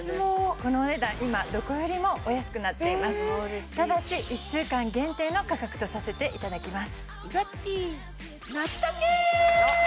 このお値段今どこよりもお安くなっていますただし１週間限定の価格とさせていただきます